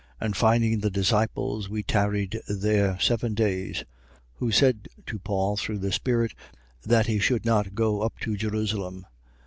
21:4. And finding disciples, we tarried there seven days: who said to Paul, through the Spirit, that he should not go up to Jerusalem.